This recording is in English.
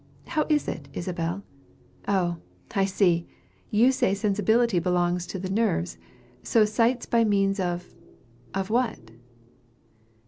How is it, Isabel? Oh, I see! You say sensibility belongs to the nerves. So sights by means of of what?